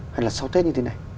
hay là sau tết như thế này